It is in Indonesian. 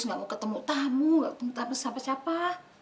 tidak mau ketemu tamu tidak mau ketemu tamu siapa siapa